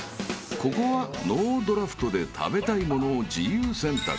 ［ここはノードラフトで食べたいものを自由選択］